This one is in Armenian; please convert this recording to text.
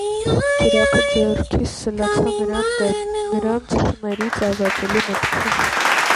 Ճրագը ձեռքիս սլացա նրանց դեմ, նրանց շներից ազատելու մտքով: